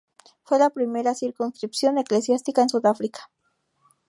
Fue la primera circunscripción eclesiástica en Sudáfrica.